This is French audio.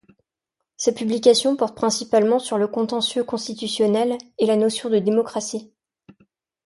Ses publications portent principalement sur le contentieux constitutionnel et la notion de démocratie.